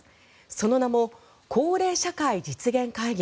その名も「幸齢社会」実現会議。